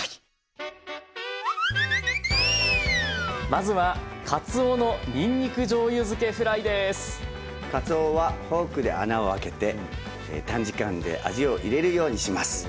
まずはかつおはフォークで穴を開けて短時間で味を入れるようにします。